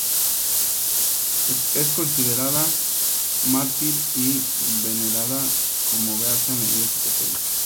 Es considera mártir y venerada como beata en la Iglesia católica.